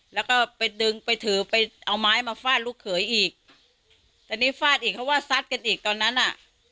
แล้วก็ไปดึงไปถือไปเอาไม้มาฟาดลูกเขยอีกแต่นี่ฟาดอีกเพราะว่าซัดกันอีกตอนนั้นอ่ะ